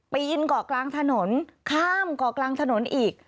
ปีนเกาะกลางถนนข้ามเกาะกลางถนนอีก